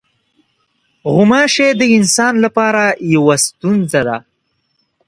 غوماشې د انسان لپاره یوه ستونزه ده.